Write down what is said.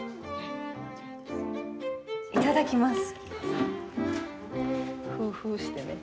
いただきます。